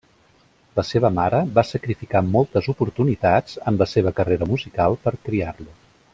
La seva mare va sacrificar moltes oportunitats en la seva carrera musical per criar-lo.